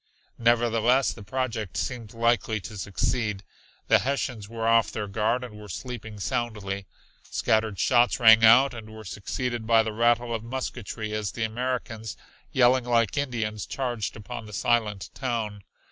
Nevertheless the project seemed likely to succeed. The Hessians were off their guard and were sleeping soundly. Scattered shots rang out and were succeeded by the rattle of musketry as the Americans, yelling like Indians charged upon the silent town.